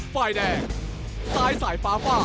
ฝ่ายแดงซ้ายสายฟ้าฝ้า